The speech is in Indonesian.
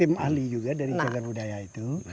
tim ahli juga dari cagar budaya itu